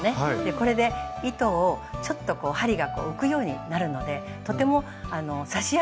これで糸をちょっと針が浮くようになるのでとても刺しやすいんです。